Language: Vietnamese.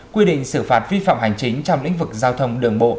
quy định xử phạt vi phạm hành chính trong lĩnh vực giao thông đường bộ